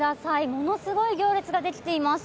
ものすごい行列ができています。